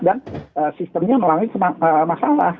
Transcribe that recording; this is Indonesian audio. dan sistemnya melangin masalah